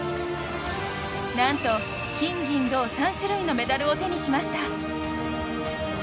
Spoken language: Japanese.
何と、金銀銅３種類のメダルを手にしました。